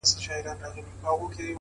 بې حیا یم ـ بې شرفه په وطن کي ـ